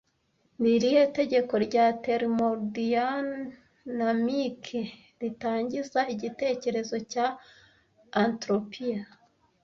Ni irihe tegeko rya thermodinamike ritangiza igitekerezo cya entropiya